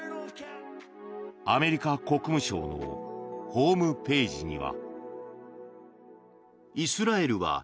アメリカ国務省のホームページには。